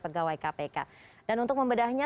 pegawai kpk dan untuk membedahnya